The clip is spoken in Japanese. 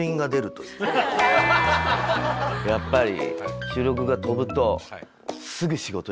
やっぱり。